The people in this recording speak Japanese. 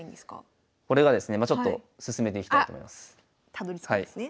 たどりつくんですね。